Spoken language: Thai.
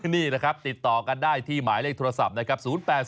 นี่นะครับติดต่อกันได้ที่หมายเลขโทรศัพท์นะครับ